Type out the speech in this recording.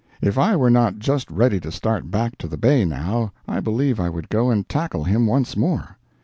If I were not just ready to start back to the bay, now, I believe I would go and tackle him once more.